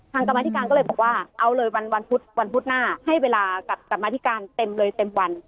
กรรมธิการก็เลยบอกว่าเอาเลยวันพุธวันพุธหน้าให้เวลากับกรรมธิการเต็มเลยเต็มวัน